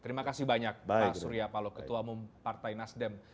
terima kasih banyak pak surya paloh ketua umum partai nasdem